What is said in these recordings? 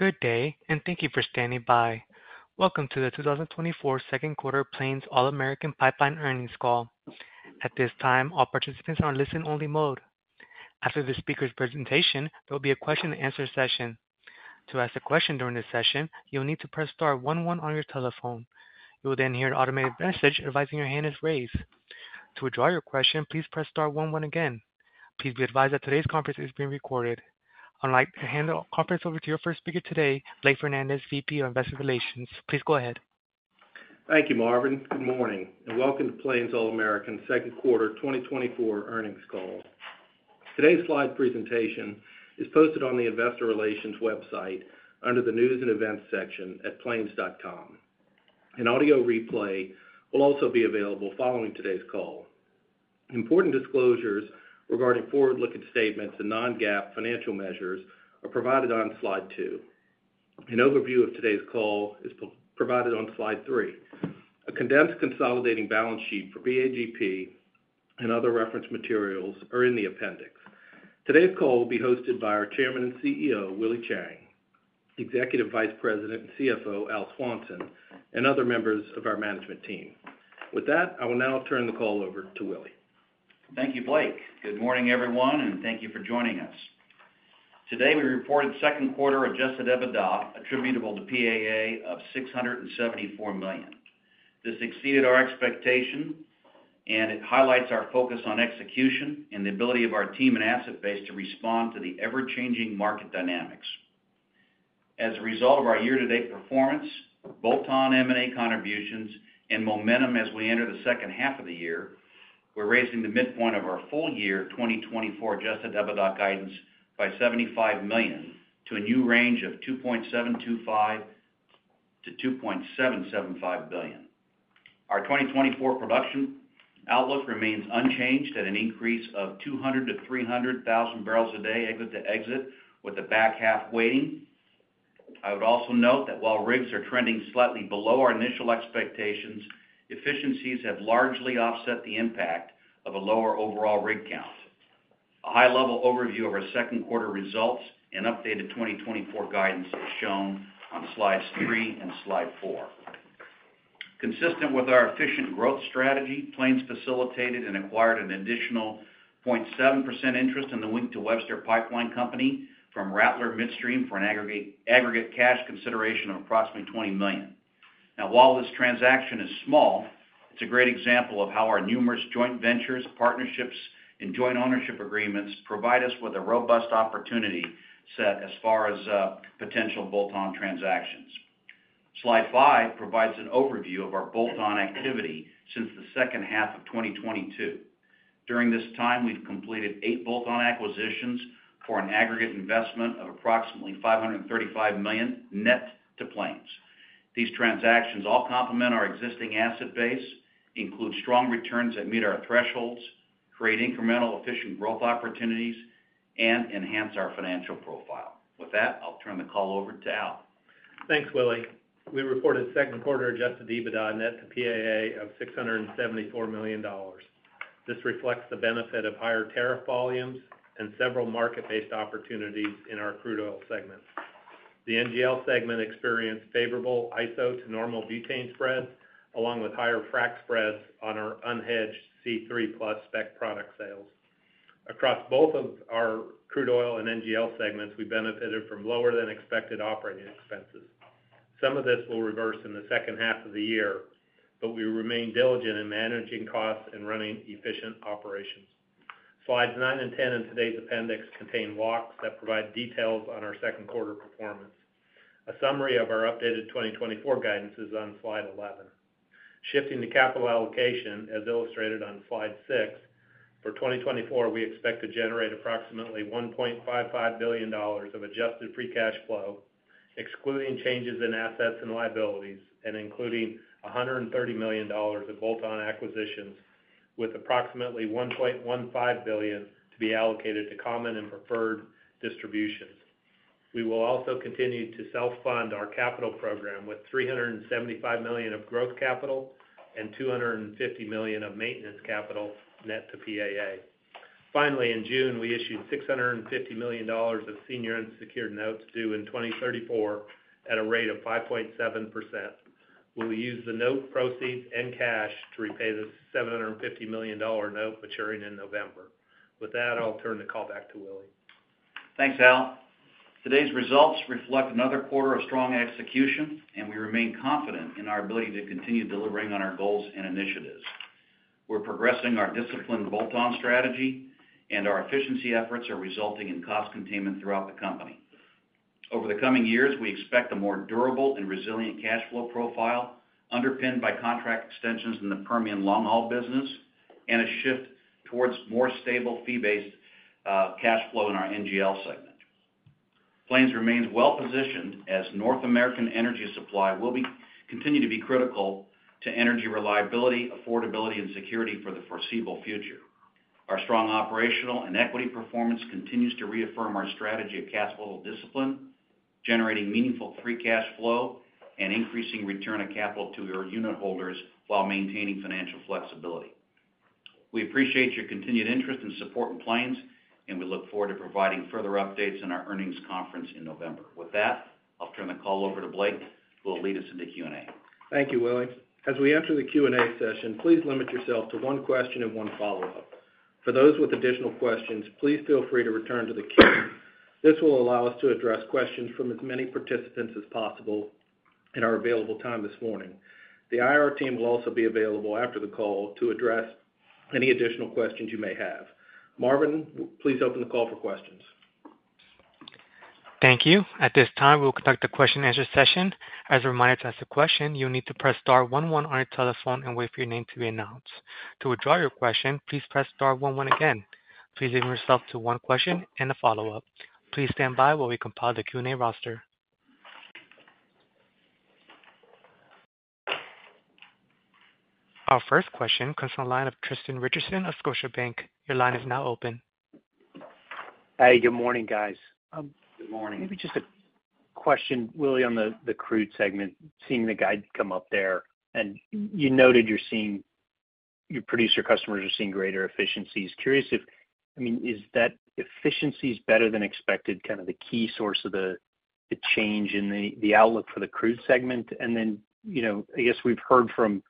Good day, and thank you for standing by. Welcome to the 2024 second quarter Plains All American Pipeline earnings call. At this time, all participants are on listen-only mode. After the speaker's presentation, there will be a question-and-answer session. To ask a question during this session, you'll need to press star one one on your telephone. You will then hear an automated message advising your hand is raised. To withdraw your question, please press star one one again. Please be advised that today's conference is being recorded. I'd like to hand the conference over to your first speaker today, Blake Fernandez, VP of Investor Relations. Please go ahead. Thank you, Marvin. Good morning, and welcome to Plains All American second quarter 2024 earnings call. Today's slide presentation is posted on the Investor Relations website under the News and Events section at plains.com. An audio replay will also be available following today's call. Important disclosures regarding forward-looking statements and non-GAAP financial measures are provided on Slide 2. An overview of today's call is provided on Slide 3. A condensed consolidating balance sheet for PAGP and other reference materials are in the appendix. Today's call will be hosted by our Chairman and CEO, Willie Chiang, Executive Vice President and CFO, Al Swanson, and other members of our management team. With that, I will now turn the call over to Willie. Thank you, Blake. Good morning, everyone, and thank you for joining us. Today, we reported second quarter adjusted EBITDA attributable to PAA of $674 million. This exceeded our expectation, and it highlights our focus on execution and the ability of our team and asset base to respond to the ever-changing market dynamics. As a result of our year-to-date performance, bolt-on M&A contributions, and momentum as we enter the second half of the year, we're raising the midpoint of our full year 2024 adjusted EBITDA guidance by $75 million to a new range of $2.725 billion–$2.775 billion. Our 2024 production outlook remains unchanged at an increase of 200,000–300,000 barrels a day exit to exit, with the back half waiting. I would also note that while rigs are trending slightly below our initial expectations, efficiencies have largely offset the impact of a lower overall rig count. A high-level overview of our second quarter results and updated 2024 guidance is shown on slides 3 and 4. Consistent with our efficient growth strategy, Plains facilitated and acquired an additional 0.7% interest in the Wink to Webster Pipeline company from Rattler Midstream for an aggregate cash consideration of approximately $20 million. Now, while this transaction is small, it's a great example of how our numerous joint ventures, partnerships, and joint ownership agreements provide us with a robust opportunity set as far as potential bolt-on transactions. Slide 5 provides an overview of our bolt-on activity since the second half of 2022. During this time, we've completed 8 bolt-on acquisitions for an aggregate investment of approximately $535 million net to Plains. These transactions all complement our existing asset base, include strong returns that meet our thresholds, create incremental efficient growth opportunities, and enhance our financial profile. With that, I'll turn the call over to Al. Thanks, Willie. We reported second quarter Adjusted EBITDA net to PAA of $674 million. This reflects the benefit of higher tariff volumes and several market-based opportunities in our crude oil segment. The NGL segment experienced favorable iso-to-normal butane spreads, along with higher frac spreads on our unhedged C3+ spec product sales. Across both of our crude oil and NGL segments, we benefited from lower-than-expected operating expenses. Some of this will reverse in the second half of the year, but we remain diligent in managing costs and running efficient operations. Slides 9 and 10 in today's appendix contain walks that provide details on our second quarter performance. A summary of our updated 2024 guidance is on Slide 11. Shifting to capital allocation, as illustrated on Slide 6, for 2024, we expect to generate approximately $1.55 billion of Adjusted Free Cash Flow, excluding changes in assets and liabilities, and including $130 million of bolt-on acquisitions, with approximately $1.15 billion to be allocated to common and preferred distributions. We will also continue to self-fund our capital program with $375 million of growth capital and $250 million of maintenance capital net to PAA. Finally, in June, we issued $650 million of senior unsecured notes due in 2034 at a rate of 5.7%. We will use the note proceeds and cash to repay the $750 million note maturing in November. With that, I'll turn the call back to Willie. Thanks, Al. Today's results reflect another quarter of strong execution, and we remain confident in our ability to continue delivering on our goals and initiatives. We're progressing our disciplined bolt-on strategy, and our efficiency efforts are resulting in cost containment throughout the company. Over the coming years, we expect a more durable and resilient cash flow profile, underpinned by contract extensions in the Permian long-haul business and a shift towards more stable fee-based cash flow in our NGL segment. Plains remains well-positioned as North American energy supply will continue to be critical to energy reliability, affordability, and security for the foreseeable future. Our strong operational and equity performance continues to reaffirm our strategy of capital discipline, generating meaningful free cash flow and increasing return on capital to our unitholders while maintaining financial flexibility. We appreciate your continued interest and support in Plains, and we look forward to providing further updates in our earnings conference in November. With that, I'll turn the call over to Blake, who will lead us into Q&A. Thank you, Willie. As we enter the Q&A session, please limit yourself to one question and one follow-up. For those with additional questions, please feel free to return to the queue. This will allow us to address questions from as many participants as possible in our available time this morning. The IR team will also be available after the call to address any additional questions you may have. Marvin, please open the call for questions. Thank you. At this time, we'll conduct a question-and-answer session. As a reminder, to ask a question, you'll need to press star one one on your telephone and wait for your name to be announced. To withdraw your question, please press star one one again. Please limit yourself to one question and a follow-up. Please stand by while we compile the Q&A roster. Our first question comes from the line of Tristan Richardson of Scotiabank. Your line is now open. Hey, good morning, guys. Good morning. Maybe just a question, Willie, on the crude segment, seeing the guide come up there, and you noted you're seeing, your producer customers are seeing greater efficiencies. Curious if, I mean, is that efficiencies better than expected, kind of, the key source of the change in the outlook for the crude segment? And then, you know, I guess we've heard from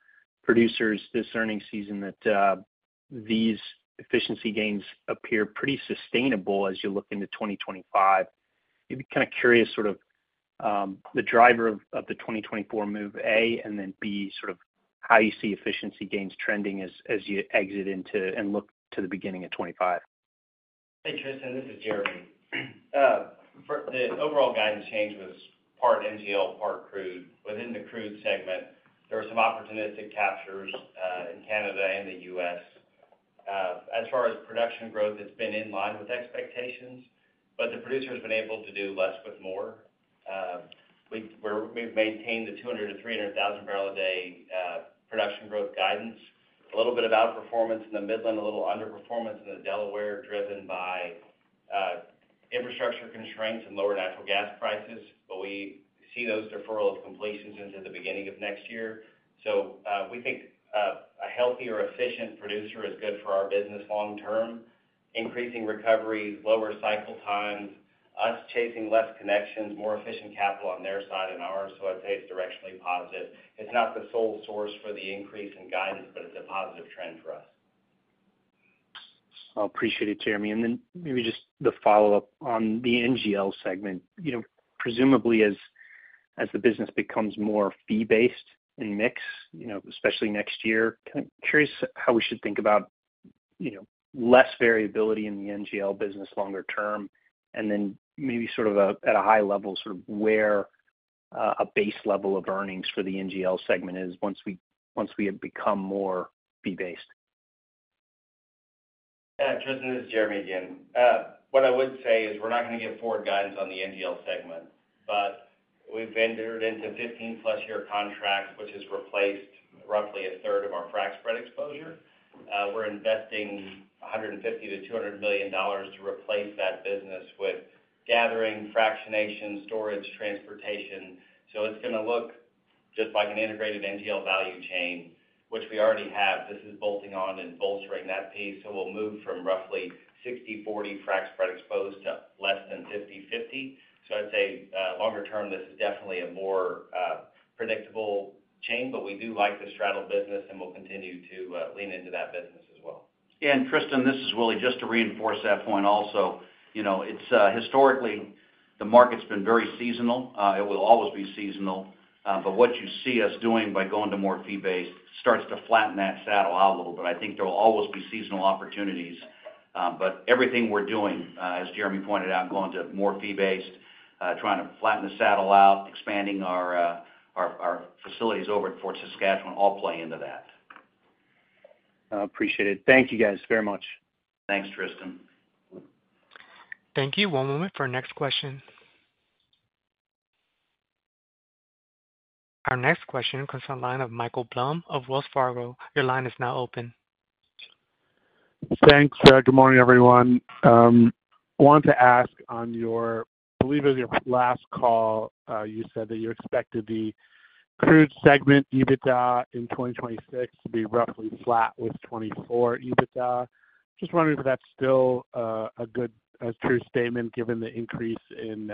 producers this earnings season that these efficiency gains appear pretty sustainable as you look into 2025. Maybe kind of curious, sort of, the driver of the 2024 move, A, and then, B, sort of, how you see efficiency gains trending as you exit into and look to the beginning of 2025. Hey, Tristan, this is Jeremy. For the overall guidance change was part NGL, part crude. Within the crude segment, there were some opportunistic captures in Canada and the U.S. As far as production growth, it's been in line with expectations, but the producer has been able to do less with more. We've maintained the 200-300 thousand barrel a day production growth guidance, a little bit of outperformance in the Midland, a little underperformance in the Delaware, driven by infrastructure constraints and lower natural gas prices. But we see those deferral of completions into the beginning of next year. So, we think a healthier, efficient producer is good for our business long-term, increasing recovery, lower cycle times, us chasing less connections, more efficient capital on their side and ours. So I'd say it's directionally positive. It's not the sole source for the increase in guidance, but it's a positive trend for us. I appreciate it, Jeremy. Then maybe just the follow-up on the NGL segment. You know, presumably as the business becomes more fee-based in mix, you know, especially next year, kind of curious how we should think about, you know, less variability in the NGL business longer term, and then maybe sort of, at a high level, sort of where a base level of earnings for the NGL segment is once we have become more fee-based. Yeah, Tristan, this is Jeremy again. What I would say is we're not going to give forward guidance on the NGL segment, but we've entered into 15+ year contracts, which has replaced roughly a third of our frac spread exposure. We're investing $150–$200 million to replace that business with gathering, fractionation, storage, transportation. So it's going to look just like an integrated NGL value chain, which we already have. This is bolting on and bolstering that piece. So we'll move from roughly 60/40 frac spread exposed to less than 50/50. So I'd say, longer term, this is definitely a more predictable chain, but we do like the straddle business, and we'll continue to lean into that business as well. Tristan, this is Willie. Just to reinforce that point also, you know, it's historically, the market's been very seasonal. It will always be seasonal, but what you see us doing by going to more fee-based starts to flatten that saddle out a little bit. I think there will always be seasonal opportunities, but everything we're doing, as Jeremy pointed out, going to more fee-based, trying to flatten the saddle out, expanding our facilities over at Fort Saskatchewan, all play into that. Appreciate it. Thank you, guys, very much. Thanks, Tristan. Thank you. One moment for our next question. Our next question comes from the line of Michael Blum of Wells Fargo. Your line is now open. Thanks. Good morning, everyone. I wanted to ask on your, I believe it was your last call, you said that you expected the crude segment EBITDA in 2026 to be roughly flat with 2024 EBITDA. Just wondering if that's still a good, a true statement given the increase in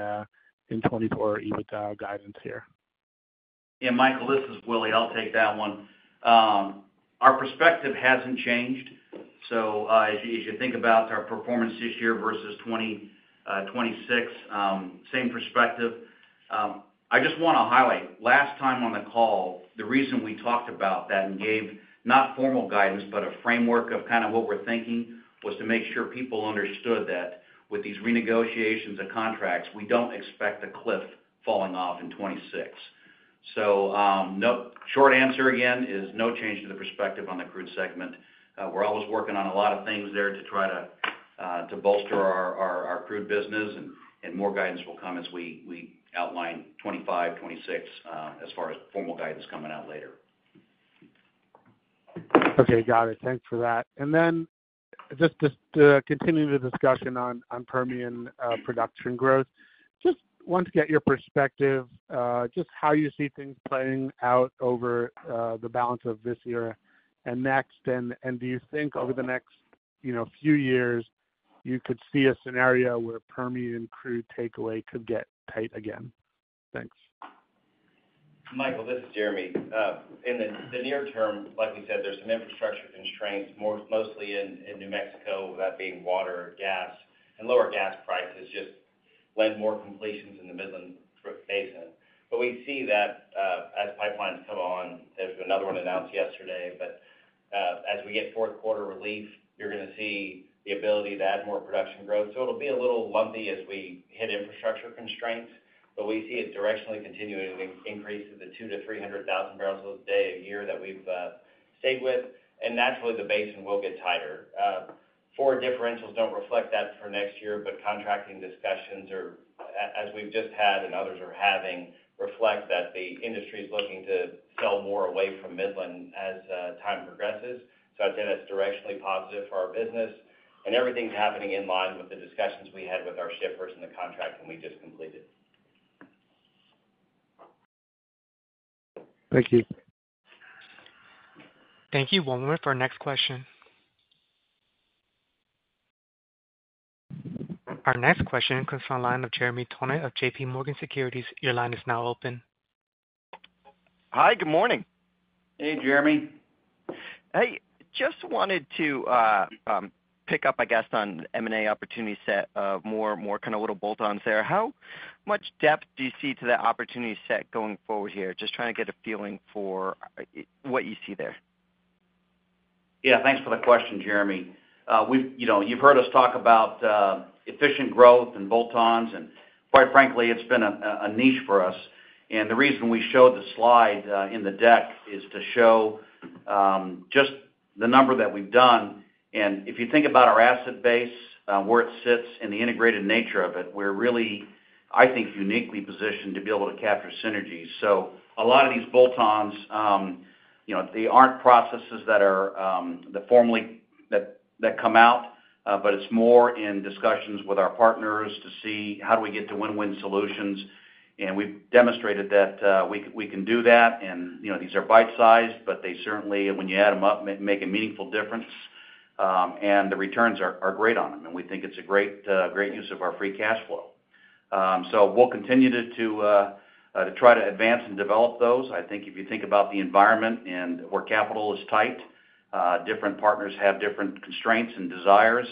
2024 EBITDA guidance here. Yeah, Michael, this is Willie. I'll take that one. Our perspective hasn't changed. So, as you, as you think about our performance this year versus 2024, 2026, same perspective. I just want to highlight, last time on the call, the reason we talked about that and gave, not formal guidance, but a framework of kind of what we're thinking, was to make sure people understood that with these renegotiations and contracts, we don't expect a cliff falling off in 2026. So, nope. Short answer again, is no change to the perspective on the crude segment. We're always working on a lot of things there to try to, to bolster our, our, our crude business, and more guidance will come as we outline 2025, 2026, as far as formal guidance coming out later. Okay. Got it. Thanks for that. And then-... Just to continue the discussion on Permian production growth. Just wanted to get your perspective, just how you see things playing out over the balance of this year and next. And do you think over the next, you know, few years, you could see a scenario where Permian crude takeaway could get tight again? Thanks. Michael, this is Jeremy. In the near term, like we said, there's some infrastructure constraints, mostly in New Mexico, that being water, gas, and lower gas prices, just lend more completions in the Midland Basin. But we see that, as pipelines come on, there's another one announced yesterday, but as we get fourth quarter relief, you're gonna see the ability to add more production growth. So it'll be a little lumpy as we hit infrastructure constraints, but we see it directionally continuing to increase to the 200,000–300,000 barrels a day a year that we've stayed with. And naturally, the basin will get tighter. Forward differentials don't reflect that for next year, but contracting discussions are, as we've just had and others are having, reflect that the industry is looking to sell more away from Midland as time progresses. So I'd say that's directionally positive for our business, and everything's happening in line with the discussions we had with our shippers and the contracting we just completed. Thank you. Thank you. One moment for our next question. Our next question comes from the line of Jeremy Tonet of J.P. Morgan Securities. Your line is now open. Hi, good morning. Hey, Jeremy. Hey, just wanted to pick up, I guess, on M&A opportunity set, more kind of little bolt-ons there. How much depth do you see to that opportunity set going forward here? Just trying to get a feeling for what you see there. Yeah, thanks for the question, Jeremy. We've you know, you've heard us talk about efficient growth and bolt-ons, and quite frankly, it's been a niche for us. And the reason we showed the slide in the deck is to show just the number that we've done. And if you think about our asset base where it sits and the integrated nature of it, we're really, I think, uniquely positioned to be able to capture synergies. So a lot of these bolt-ons you know, they aren't processes that formally come out, but it's more in discussions with our partners to see how do we get to win-win solutions. We've demonstrated that we can do that, and you know these are bite-sized, but they certainly, when you add them up, make a meaningful difference, and the returns are great on them, and we think it's a great use of our free cash flow. So we'll continue to try to advance and develop those. I think if you think about the environment and where capital is tight, different partners have different constraints and desires.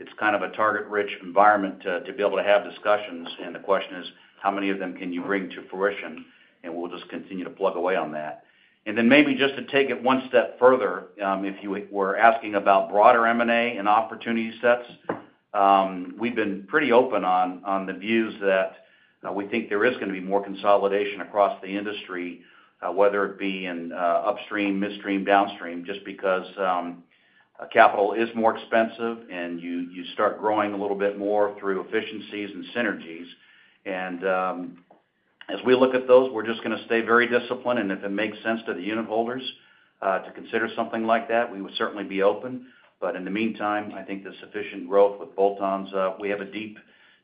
It's kind of a target-rich environment to be able to have discussions, and the question is: How many of them can you bring to fruition? We'll just continue to plug away on that. And then maybe just to take it one step further, if you were asking about broader M&A and opportunity sets, we've been pretty open on the views that we think there is gonna be more consolidation across the industry, whether it be in upstream, midstream, downstream, just because capital is more expensive, and you start growing a little bit more through efficiencies and synergies. And as we look at those, we're just gonna stay very disciplined, and if it makes sense to the unit holders to consider something like that, we would certainly be open. But in the meantime, I think the sufficient growth with bolt-ons, we have a deep,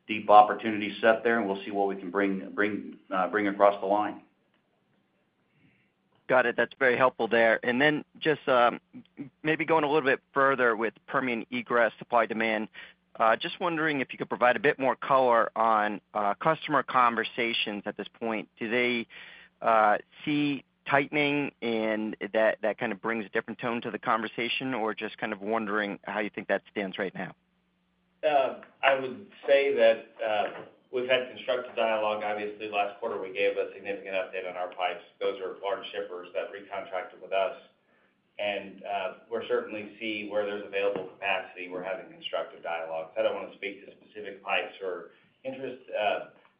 deep opportunity set there, and we'll see what we can bring across the line. Got it. That's very helpful there. And then just maybe going a little bit further with Permian egress, supply, demand. Just wondering if you could provide a bit more color on customer conversations at this point. Do they see tightening and that kind of brings a different tone to the conversation? Or just kind of wondering how you think that stands right now. I would say that we've had constructive dialogue. Obviously, last quarter, we gave a significant update on our pipes. Those are large shippers that recontracted with us. And, we're certainly see where there's available capacity, we're having constructive dialogue. I don't want to speak to specific pipes or interest.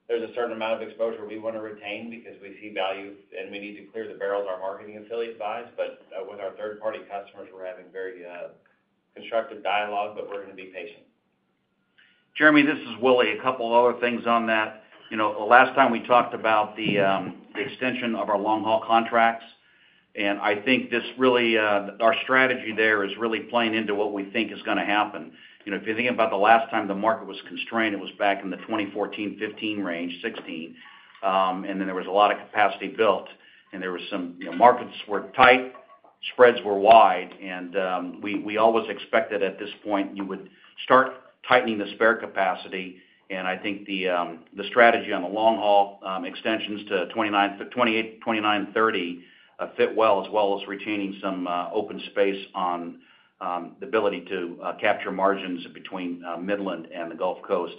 There's a certain amount of exposure we want to retain because we see value, and we need to clear the barrels our marketing affiliates buys. But, with our third-party customers, we're having very constructive dialogue, but we're gonna be patient. Jeremy, this is Willie. A couple of other things on that. You know, the last time we talked about the extension of our long-haul contracts, and I think this really our strategy there is really playing into what we think is gonna happen. You know, if you think about the last time the market was constrained, it was back in the 2014, 2015 range, 2016. And then there was a lot of capacity built, and there was some, you know, markets were tight, spreads were wide, and we always expected at this point you would start tightening the spare capacity. And I think the strategy on the long haul extensions to 2029, 2028, 2029, 2030 fit well, as well as retaining some open space on the ability to capture margins between Midland and the Gulf Coast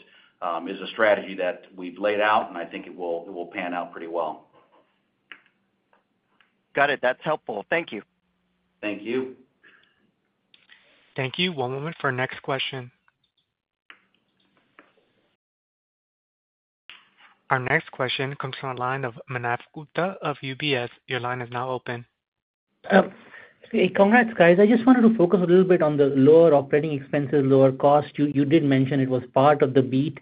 is a strategy that we've laid out, and I think it will pan out pretty well. Got it. That's helpful. Thank you. Thank you. Thank you. One moment for our next question. Our next question comes from the line of Manav Gupta of UBS. Your line is now open. Um. Hey, congrats, guys. I just wanted to focus a little bit on the lower operating expenses, lower cost. You did mention it was part of the beat.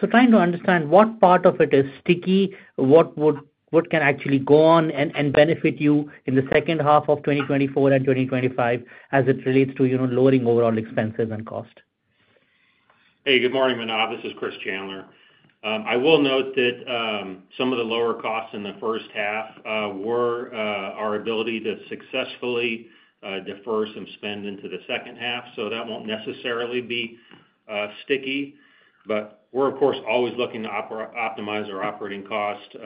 So trying to understand what part of it is sticky, what can actually go on and benefit you in the second half of 2024 and 2025 as it relates to, you know, lowering overall expenses and cost? Hey, good morning, Manav. This is Chris Chandler. I will note that some of the lower costs in the first half were our ability to successfully defer some spend into the second half, so that won't necessarily be sticky. But we're, of course, always looking to optimize our operating cost.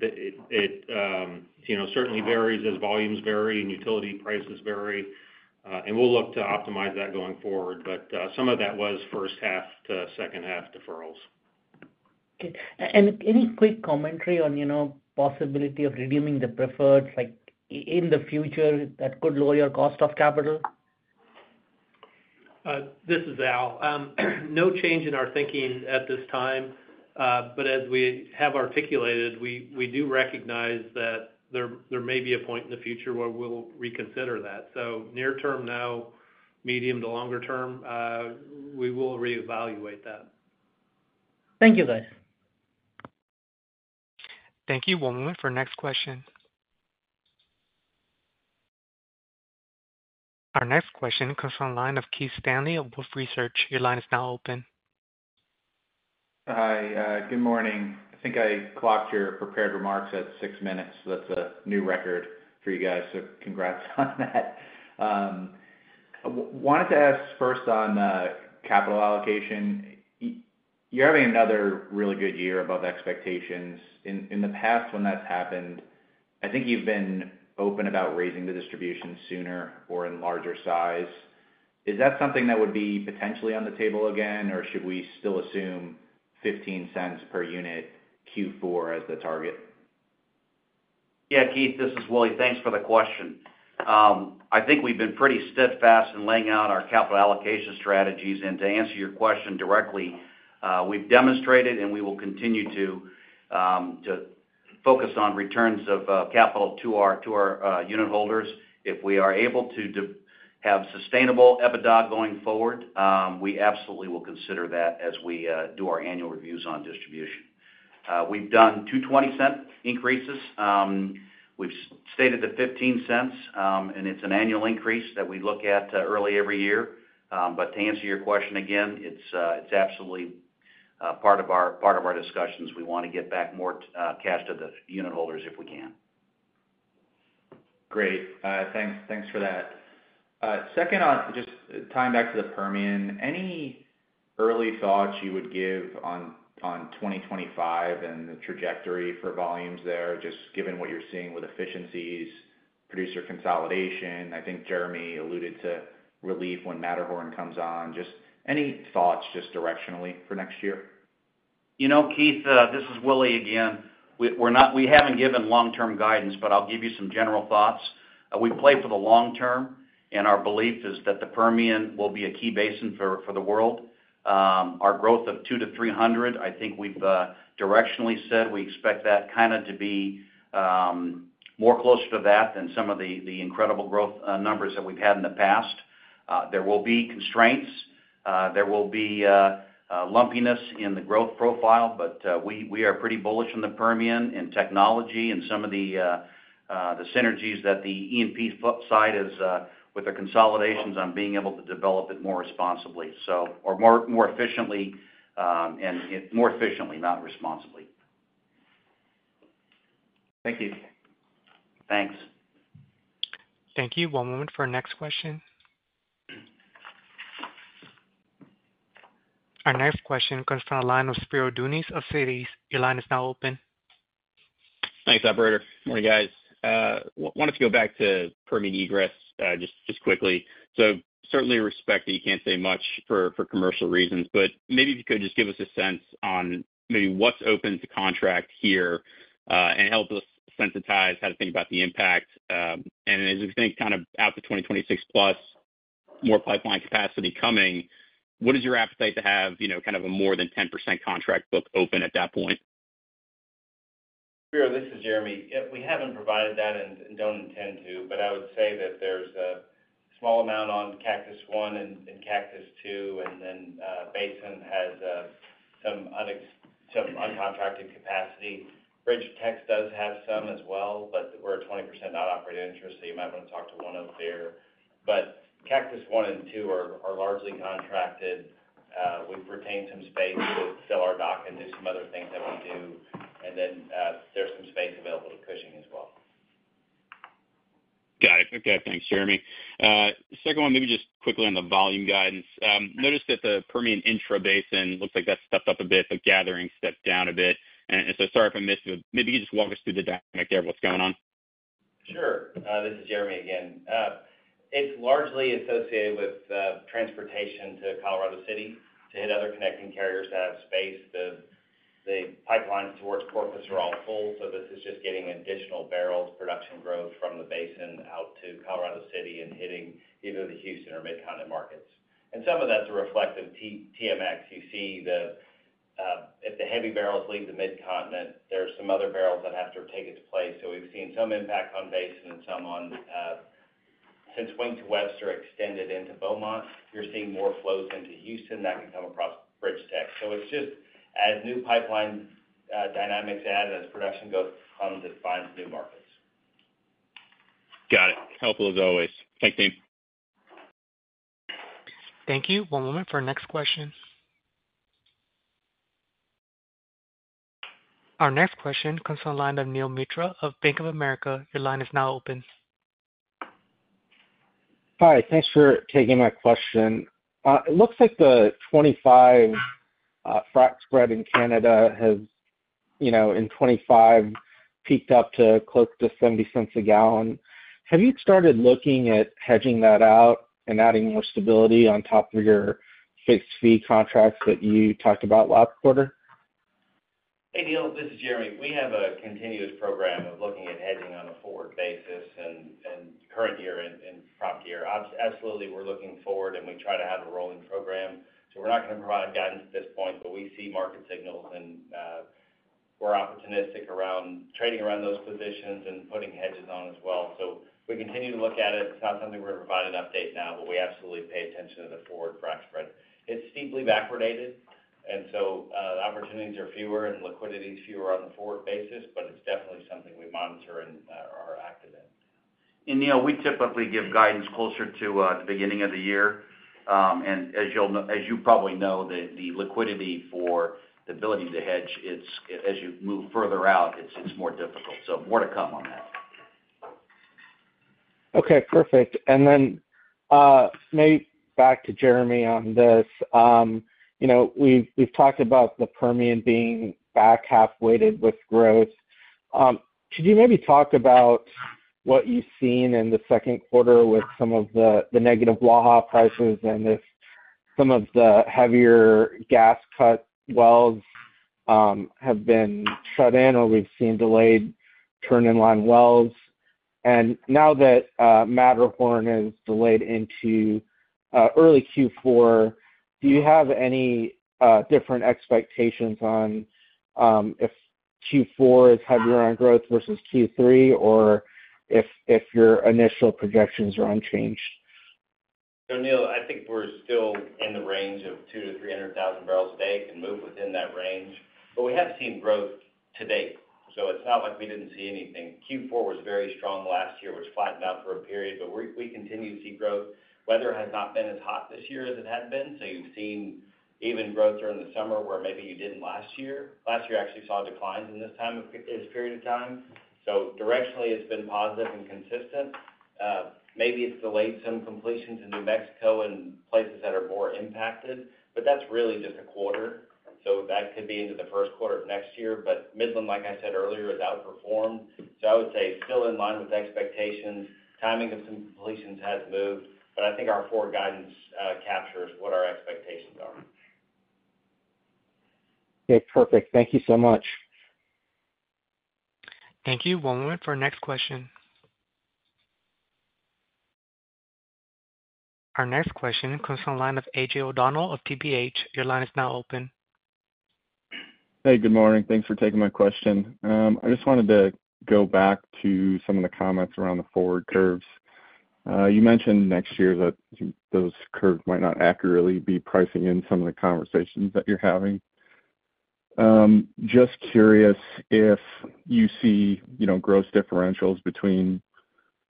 It you know, certainly varies as volumes vary and utility prices vary, and we'll look to optimize that going forward. But some of that was first half to second half deferrals. Okay. Any quick commentary on, you know, possibility of redeeming the preferred, like, in the future that could lower your cost of capital? This is Al. No change in our thinking at this time. But as we have articulated, we do recognize that there may be a point in the future where we'll reconsider that. So near term, no. Medium to longer term, we will reevaluate that. Thank you, guys. Thank you. One moment for next question. Our next question comes from the line of Keith Stanley of Wolfe Research. Your line is now open. Hi, good morning. I think I clocked your prepared remarks at six minutes. That's a new record for you guys, so congrats on that. Wanted to ask first on capital allocation. You're having another really good year above expectations. In the past, when that's happened, I think you've been open about raising the distribution sooner or in larger size. Is that something that would be potentially on the table again, or should we still assume $0.15 per unit Q4 as the target? Yeah, Keith, this is Willie. Thanks for the question. I think we've been pretty steadfast in laying out our capital allocation strategies. And to answer your question directly, we've demonstrated, and we will continue to focus on returns of capital to our unit holders. If we are able to have sustainable EBITDA going forward, we absolutely will consider that as we do our annual reviews on distribution. We've done two $0.20 increases. We've stated the $0.15, and it's an annual increase that we look at early every year. But to answer your question again, it's absolutely part of our discussions. We want to get back more cash to the unit holders if we can. Great. Thanks, thanks for that. Second on, just tying back to the Permian. Any early thoughts you would give on 2025 and the trajectory for volumes there, just given what you're seeing with efficiencies, producer consolidation? I think Jeremy alluded to relief when Matterhorn comes on. Just any thoughts, just directionally for next year? You know, Keith, this is Willie again. We haven't given long-term guidance, but I'll give you some general thoughts. We play for the long term, and our belief is that the Permian will be a key basin for the world. Our growth of 200-300, I think we've directionally said we expect that kind of to be more closer to that than some of the incredible growth numbers that we've had in the past. There will be constraints. There will be lumpiness in the growth profile, but we are pretty bullish on the Permian and technology and some of the synergies that the E&P side is with the consolidations on being able to develop it more responsibly. So or more, more efficiently, more efficiently, not responsibly. Thank you. Thanks. Thank you. One moment for our next question. Our next question comes from the line of Spiro Dounis of Citigroup. Your line is now open. Thanks, operator. Morning, guys. Wanted to go back to Permian egress, just, just quickly. So certainly respect that you can't say much for, for commercial reasons, but maybe if you could just give us a sense on maybe what's open to contract here, and help us sensitize how to think about the impact. And as we think, kind of out to 2026+, more pipeline capacity coming, what is your appetite to have, you know, kind of a more than 10% contract book open at that point? Spiro, this is Jeremy. We haven't provided that and don't intend to, but I would say that there's a small amount on Cactus One and Cactus Two, and then Basin has some uncontracted capacity. BridgeTex does have some as well, but we're a 20% non-operating interest, so you might want to talk to one of their... But Cactus One and Two are largely contracted. We've retained some space to fill our dock and do some other things that we do. And then there's some space available to Cushing as well. Got it. Okay, thanks, Jeremy. Second one, maybe just quickly on the volume guidance. Noticed that the Permian intra-basin looks like that stepped up a bit, but gathering stepped down a bit. And so sorry if I missed it, maybe you could just walk us through the dynamic there, what's going on? Sure. This is Jeremy again. It's largely associated with transportation to Colorado City to hit other connecting carriers that have space. The pipelines towards Corpus are all full, so this is just getting additional barrels, production growth from the basin out to Colorado City and hitting either the Houston or Mid-Continent markets. And some of that's a reflection of TMX. You see, if the heavy barrels leave the Mid-Continent, there are some other barrels that have to take its place. So we've seen some impact on basin and some on since Wink to Webster extended into Beaumont, you're seeing more flows into Houston that can come across BridgeTex. So it's just as new pipeline dynamics add, as production goes, comes and finds new markets.... Got it. Helpful as always. Thanks, team. Thank you. One moment for our next question. Our next question comes from the line of Neel Mitra of Bank of America. Your line is now open. Hi, thanks for taking my question. It looks like the 2025 frac spread in Canada has, you know, in 2025, peaked up to close to $0.70 a gallon. Have you started looking at hedging that out and adding more stability on top of your fixed fee contracts that you talked about last quarter? Hey, Neel, this is Jeremy. We have a continuous program of looking at hedging on a forward basis and current year and prompt year. Absolutely, we're looking forward, and we try to have a rolling program. So we're not gonna provide guidance at this point, but we see market signals, and we're opportunistic around trading around those positions and putting hedges on as well. So we continue to look at it. It's not something we're gonna provide an update now, but we absolutely pay attention to the forward frac spread. It's steeply backwardated, and so the opportunities are fewer and liquidity is fewer on the forward basis, but it's definitely something we monitor and are active in. Neel, we typically give guidance closer to the beginning of the year. As you probably know, the liquidity for the ability to hedge is more difficult as you move further out. More to come on that. Okay, perfect. And then, maybe back to Jeremy on this. You know, we've, we've talked about the Permian being back half-weighted with growth. Could you maybe talk about what you've seen in the second quarter with some of the, the negative Waha prices and if some of the heavier gas cut wells, have been shut in, or we've seen delayed turn-in-line wells? And now that, Matterhorn is delayed into, early Q4, do you have any, different expectations on, if Q4 is heavier on growth versus Q3, or if, if your initial projections are unchanged? So Neil, I think we're still in the range of 200,000-300,000 barrels a day, can move within that range, but we have seen growth to date, so it's not like we didn't see anything. Q4 was very strong last year, which flattened out for a period, but we, we continue to see growth. Weather has not been as hot this year as it had been, so you've seen even growth during the summer, where maybe you didn't last year. Last year, you actually saw declines in this time of this period of time. So directionally, it's been positive and consistent. Maybe it's delayed some completions in New Mexico and places that are more impacted, but that's really just a quarter. So that could be into the first quarter of next year. But Midland, like I said earlier, has outperformed. So I would say still in line with expectations. Timing of some completions has moved, but I think our forward guidance captures what our expectations are. Okay, perfect. Thank you so much. Thank you. One moment for our next question. Our next question comes from the line of A.J. O'Donnell of TPH. Your line is now open. Hey, good morning. Thanks for taking my question. I just wanted to go back to some of the comments around the forward curves. You mentioned next year that those curves might not accurately be pricing in some of the conversations that you're having. Just curious if you see, you know, gross differentials between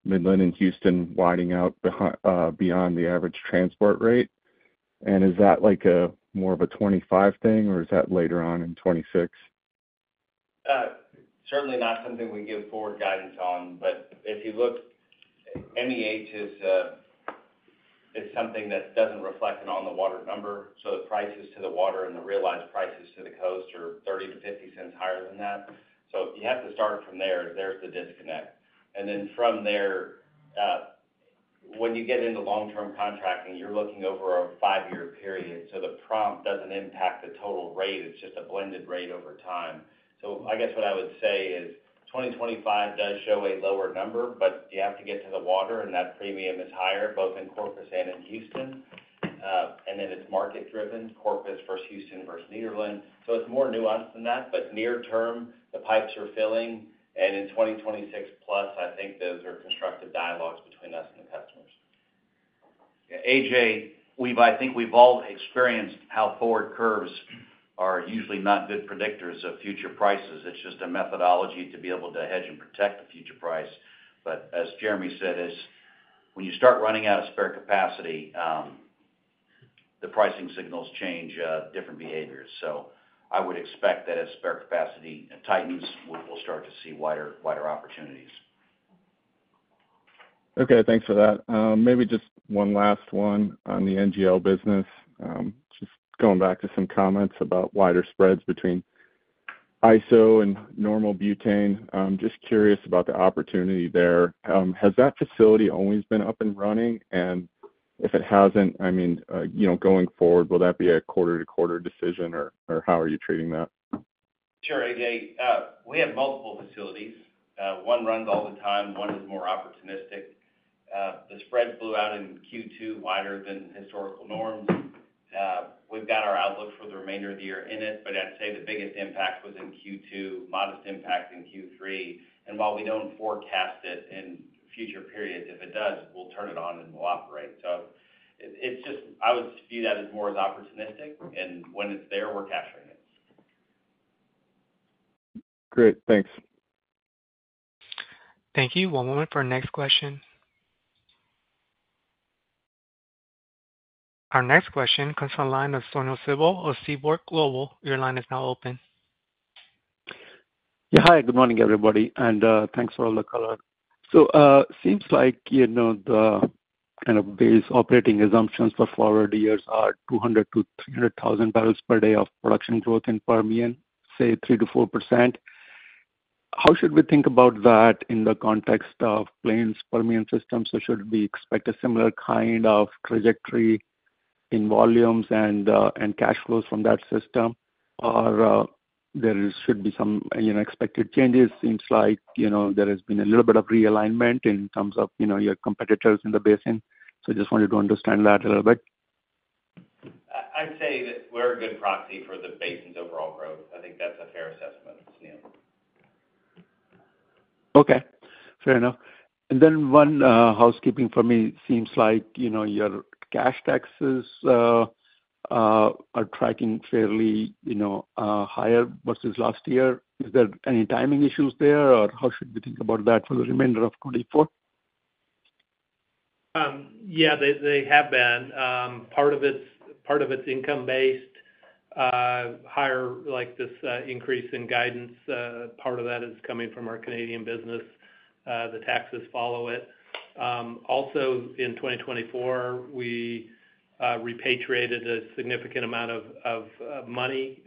Midland and Houston widening out beyond the average transport rate. And is that like a more of a 2025 thing, or is that later on in 2026? Certainly not something we give forward guidance on. But if you look, MEH is, is something that doesn't reflect an on-the-water number, so the prices to the water and the realized prices to the coast are $0.30-$0.50 higher than that. So you have to start from there. There's the disconnect. And then from there, when you get into long-term contracting, you're looking over a 5-year period, so the prompt doesn't impact the total rate. It's just a blended rate over time. So I guess what I would say is, 2025 does show a lower number, but you have to get to the water, and that premium is higher, both in Corpus and in Houston. And then it's market-driven, Corpus versus Houston versus Nederland. So it's more nuanced than that. But near term, the pipes are filling, and in 2026+, I think those are constructive dialogues between us and the customers. Yeah, A.J., I think we've all experienced how forward curves are usually not good predictors of future prices. It's just a methodology to be able to hedge and protect the future price. But as Jeremy said, as when you start running out of spare capacity, the pricing signals change, different behaviors. So I would expect that as spare capacity tightens, we will start to see wider, wider opportunities. Okay, thanks for that. Maybe just one last one on the NGL business. Just going back to some comments about wider spreads between iso and normal butane. Just curious about the opportunity there. Has that facility always been up and running? And if it hasn't, I mean, you know, going forward, will that be a quarter-to-quarter decision, or how are you treating that? Sure, A.J., we have multiple facilities. One runs all the time, one is more opportunistic. The spreads blew out in Q2 wider than historical norms. We've got our outlook for the remainder of the year in it, but I'd say the biggest impact was in Q2, modest impact in Q3. And while we don't forecast it in future periods, if it does, we'll turn it on, and we'll operate. So it, it's just-- I would view that as more as opportunistic, and when it's there, we're capturing it.... Great, thanks. Thank you. One moment for our next question. Our next question comes from the line of Sunil Sibal of Seaport Global. Your line is now open. Yeah. Hi, good morning, everybody, and thanks for all the color. So, seems like, you know, the kind of base operating assumptions for forward years are 200,000-300,000 barrels per day of production growth in Permian, say 3%-4%. How should we think about that in the context of Plains Permian system? So should we expect a similar kind of trajectory in volumes and cash flows from that system? Or, there should be some, you know, expected changes. Seems like, you know, there has been a little bit of realignment in terms of, you know, your competitors in the basin. So just wanted to understand that a little bit. I'd say that we're a good proxy for the basin's overall growth. I think that's a fair assessment, Sunil. Okay, fair enough. And then one housekeeping for me. Seems like, you know, your cash taxes are tracking fairly, you know, higher versus last year. Is there any timing issues there, or how should we think about that for the remainder of 2024? Yeah, they, they have been. Part of it's, part of it's income based higher, like this increase in guidance, part of that is coming from our Canadian business. The taxes follow it. Also in 2024, we repatriated a significant amount of money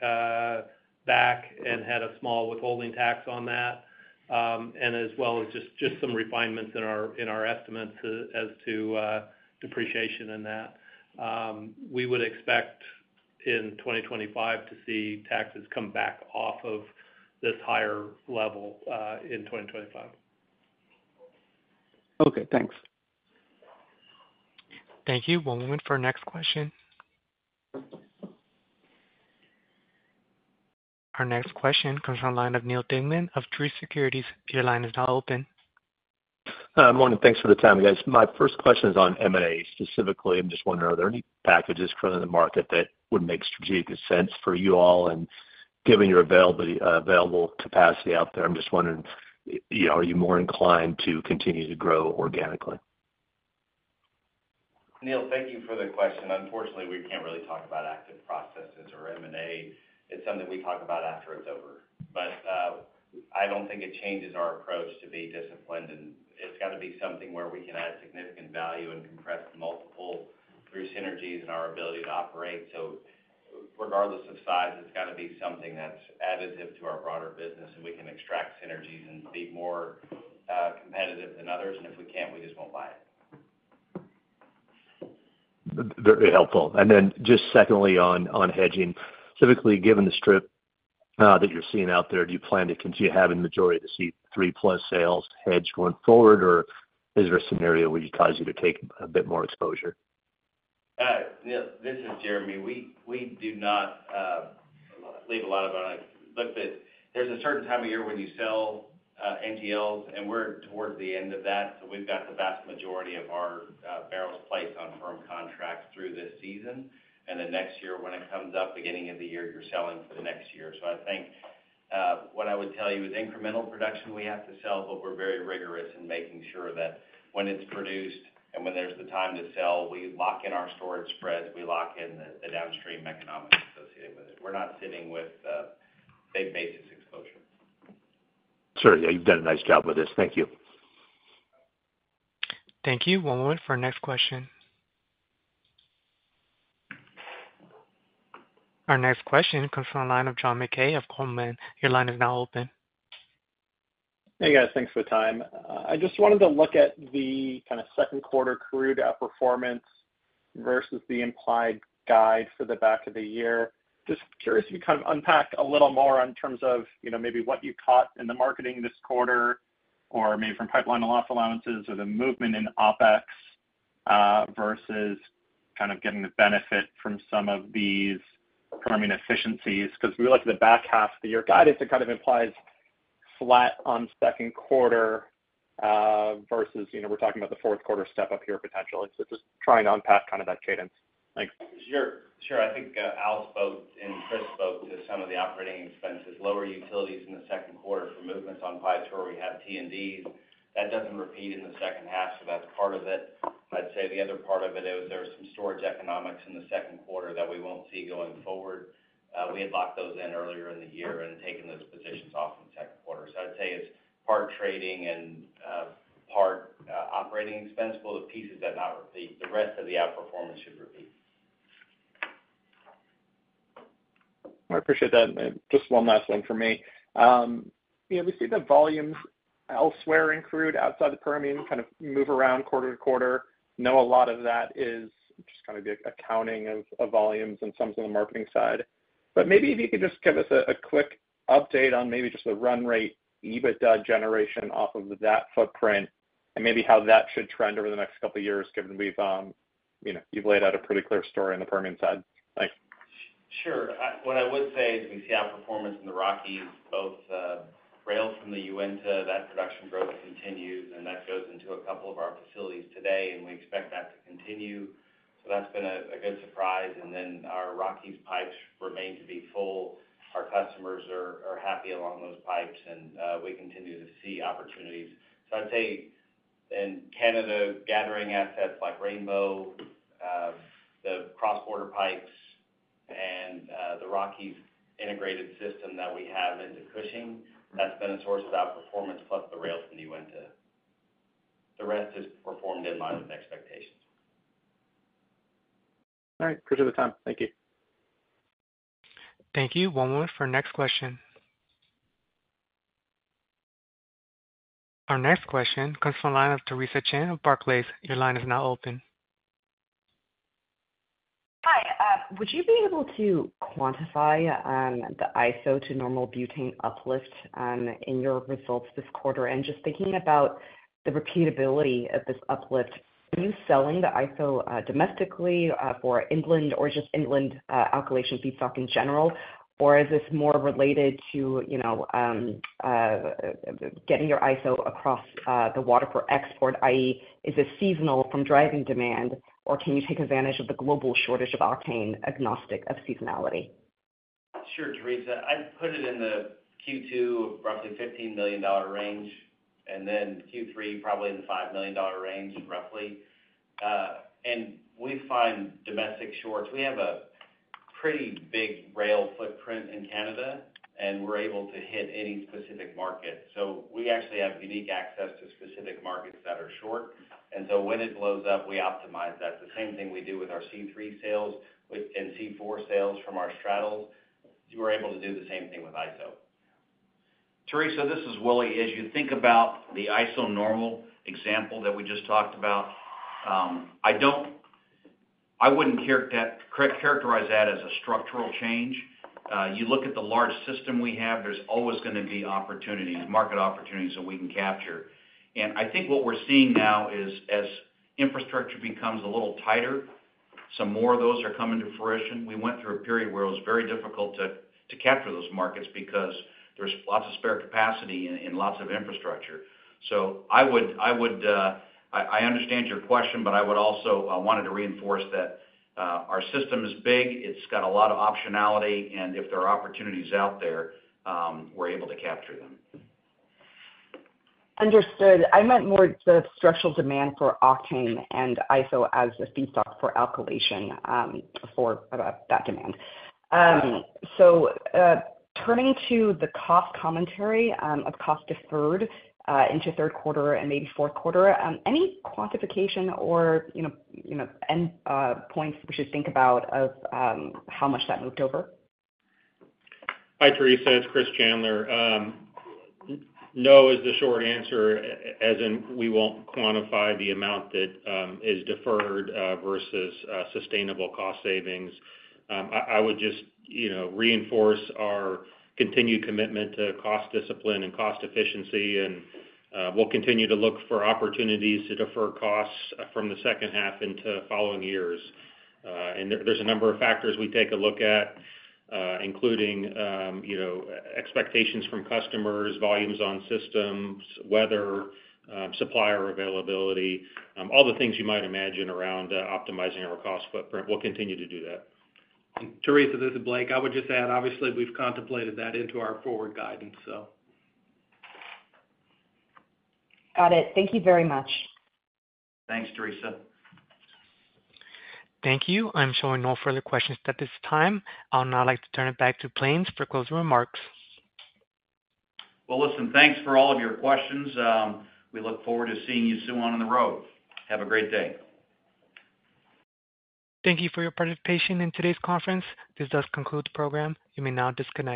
back and had a small withholding tax on that. And as well as just, just some refinements in our estimates as to depreciation in that. We would expect in 2025 to see taxes come back off of this higher level in 2025. Okay, thanks. Thank you. One moment for our next question. Our next question comes from the line of Neal Dingmann of Truist Securities. Your line is now open. Morning, thanks for the time, guys. My first question is on M&A. Specifically, I'm just wondering, are there any packages currently in the market that would make strategic sense for you all? And given your available capacity out there, I'm just wondering, you know, are you more inclined to continue to grow organically? Neil, thank you for the question. Unfortunately, we can't really talk about active processes or M&A. It's something we talk about after it's over. But, I don't think it changes our approach to be disciplined, and it's got to be something where we can add significant value and compress the multiple through synergies and our ability to operate. So regardless of size, it's got to be something that's additive to our broader business, and we can extract synergies and be more, competitive than others. And if we can't, we just won't buy it. Very helpful. And then just secondly, on hedging. Typically, given the strip that you're seeing out there, do you plan to continue having the majority of the C3+ sales hedge going forward, or is there a scenario that causes you to take a bit more exposure? Yeah, this is Jeremy. We do not leave a lot of it on it. Look, there's a certain time of year when you sell NGLs, and we're towards the end of that. So we've got the vast majority of our barrels placed on firm contracts through this season. And then next year, when it comes up, beginning of the year, you're selling for the next year. So I think what I would tell you is incremental production, we have to sell, but we're very rigorous in making sure that when it's produced and when there's the time to sell, we lock in our storage spreads, we lock in the downstream economics associated with it. We're not sitting with big basis exposure. Sure. Yeah, you've done a nice job with this. Thank you. Thank you. One moment for our next question. Our next question comes from the line of John Mackay of Goldman. Your line is now open. Hey, guys. Thanks for the time. I just wanted to look at the kind of second quarter crude outperformance versus the implied guide for the back of the year. Just curious if you kind of unpack a little more in terms of, you know, maybe what you caught in the marketing this quarter, or maybe from pipeline loss allowances, or the movement in OpEx, versus kind of getting the benefit from some of these Permian efficiencies. Because we like the back half of the year guidance, it kind of implies flat on second quarter, versus, you know, we're talking about the fourth quarter step up here potentially. So just trying to unpack kind of that cadence. Thanks. Sure. Sure. I think, Al spoke and Chris spoke to some of the operating expenses, lower utilities in the second quarter for movements on power true-ups. We have T&D, that doesn't repeat in the second half, so that's part of it. I'd say the other part of it is there are some storage economics in the second quarter that we won't see going forward. We had locked those in earlier in the year and taken those positions off in the second quarter. So I'd say it's part trading and, part, operating expense, but the pieces that not repeat, the rest of the outperformance should repeat. I appreciate that. Just one last one for me. Yeah, we see the volumes elsewhere in crude, outside the Permian, kind of move around quarter to quarter. You know a lot of that is just kind of the accounting of, of volumes and some on the marketing side. Maybe if you could just give us a, a quick update on maybe just the run rate, EBITDA generation off of that footprint and maybe how that should trend over the next couple of years, given we've, you know, you've laid out a pretty clear story on the Permian side. Thanks. Sure. What I would say is we see outperformance in the Rockies, both, from the Uinta, that production growth continues, and that goes into a couple of our facilities today, and we expect that to continue. So that's been a good surprise. And then our Rockies pipes remain to be full. Our customers are happy along those pipes, and we continue to see opportunities. So I'd say in Canada, gathering assets like Rainbow, the cross-border pipes and the Rockies integrated system that we have into Cushing, that's been a source of outperformance, plus the rail from the Uinta. The rest just performed in line with expectations. All right, appreciate the time. Thank you. Thank you. One moment for next question. Our next question comes from the line of Theresa Chen of Barclays. Your line is now open. Hi. Would you be able to quantify the iso to normal butane uplift in your results this quarter? And just thinking about the repeatability of this uplift, are you selling the iso domestically for inland or just inland alkylation feedstock in general? Or is this more related to, you know, getting your iso across the water for export, i.e., is this seasonal from driving demand, or can you take advantage of the global shortage of octane, agnostic of seasonality? Sure, Theresa. I'd put it in the Q2, roughly $15 million range, and then Q3, probably in the $5 million range, roughly. And we find domestic shorts. We have a pretty big rail footprint in Canada, and we're able to hit any specific market. So we actually have unique access to specific markets that are short, and so when it blows up, we optimize that. The same thing we do with our C3 sales, with and C4 sales from our straddles, we're able to do the same thing with iso. Theresa, this is Willie. As you think about the iso-normal example that we just talked about, I wouldn't characterize that as a structural change. You look at the large system we have, there's always gonna be opportunities, market opportunities that we can capture. And I think what we're seeing now is, as infrastructure becomes a little tighter, some more of those are coming to fruition. We went through a period where it was very difficult to capture those markets because there's lots of spare capacity and lots of infrastructure. So I would. I understand your question, but I also wanted to reinforce that our system is big, it's got a lot of optionality, and if there are opportunities out there, we're able to capture them. Understood. I meant more the structural demand for octane and iso as a feedstock for alkylation for that demand. So, turning to the cost commentary of cost deferred into third quarter and maybe fourth quarter, any quantification or, you know, you know, end points we should think about of how much that moved over? Hi, Theresa, it's Chris Chandler. No is the short answer, we won't quantify the amount that is deferred versus sustainable cost savings. I would just, you know, reinforce our continued commitment to cost discipline and cost efficiency, and we'll continue to look for opportunities to defer costs from the second half into following years. And there, there's a number of factors we take a look at, including you know, expectations from customers, volumes on systems, weather, supplier availability, all the things you might imagine around optimizing our cost footprint. We'll continue to do that. Theresa, this is Blake. I would just add, obviously, we've contemplated that into our forward guidance, so. Got it. Thank you very much. Thanks, Theresa. Thank you. I'm showing no further questions at this time. I'll now like to turn it back to Plains for closing remarks. Well, listen, thanks for all of your questions. We look forward to seeing you soon on the road. Have a great day. Thank you for your participation in today's conference. This does conclude the program. You may now disconnect.